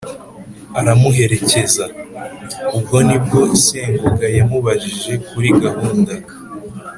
aramuherekeza. Ubwo ni bwo Sesonga yamubajije kuri gahunda